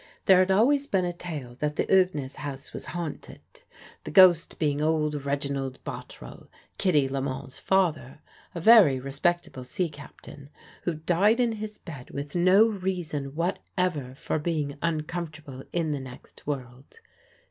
There had always been a tale that the Ugnes House was haunted the ghost being old Reginald Bottrell, Kitty Lemal's father, a very respectable sea captain, who died in his bed with no reason whatever for being uncomfortable in the next world.